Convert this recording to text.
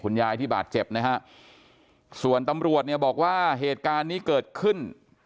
ยายที่บาดเจ็บนะฮะส่วนตำรวจเนี่ยบอกว่าเหตุการณ์นี้เกิดขึ้น